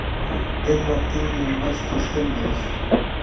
Эдвард имне ӱмбач тӧрштен волыш.